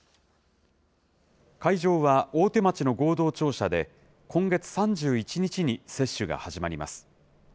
会場は大手町の合同庁舎で、今月３１日に接種が始まります。